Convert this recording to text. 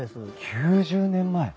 ９０年前！